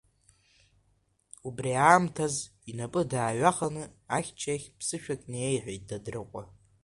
Убри аамҭаз инапы дааҩаханы ахьча иахь ԥсышәак неиеиҳәеит Дадрыҟәа.